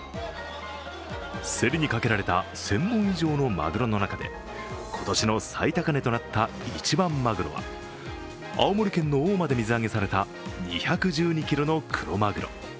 競りにかけられた１０００本以上のまぐろの中で今年の最高値となった一番まぐろは、青森県の大間で水揚げされた２１２ｋｇのクロマグロ。